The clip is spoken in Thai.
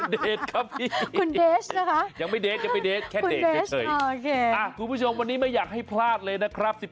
เดชครับพี่คุณเดชนะคะแค่เดชเฉยคุณผู้ชมวันนี้ไม่อยากให้พลาดเลยนะครับ